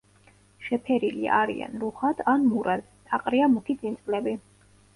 შეფერილი არიან რუხად ან მურად, აყრია მუქი წინწკლები.